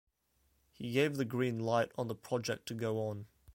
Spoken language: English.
He gave the green light on the project to go on.